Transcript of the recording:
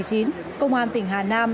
công an tỉnh hà nam